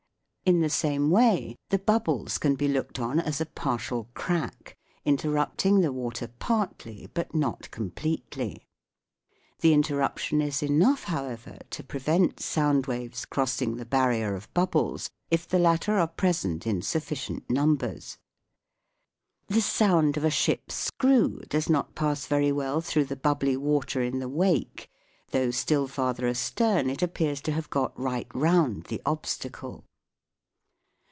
In the same way the bubbles can be looked on as a partial crack, interrupting the water partly, but not completely. The interruption is enough, how ever, to prevent sound waves crossing the barrier of bubbles if the latter are present in sufficient SOUNDS OF THE SEA 159 numbers. The sound of a ship's screw does not pass very well through the bubbly water in the wake, though still farther astern it appears to have got right round the obstacle.